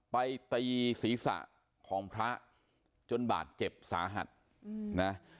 ไปตีศีรษะของพระจนบาดเจ็บสาหัสนะ